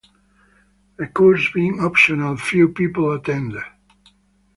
The course being optional, few people attend.